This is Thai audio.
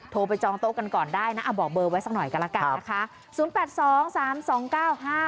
โทรไปจองโต๊ะกันก่อนได้นะเอาบอกเบอร์ไว้สักหน่อยกันแล้วกันนะคะ